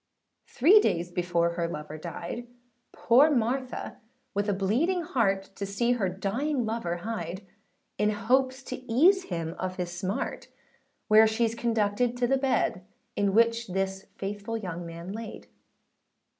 Three days before her lover died, Poor Martha with a bleeding heart, To see her dying lover hied, In hopes to ease him of his smart; Where sheâs conducted to the bed, In which this faithful young man laid.